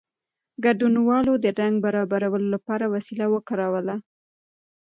ګډونوالو د رنګ برابرولو لپاره وسیله وکاروله.